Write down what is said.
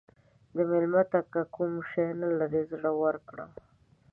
مېلمه ته که کوم شی نه لرې، زړه ورکړه.